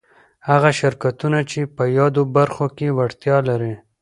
هغه شرکتونه چي په يادو برخو کي وړتيا ولري